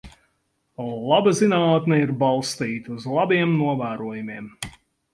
Laba zinātne ir balstīta uz labiem novērojumiem.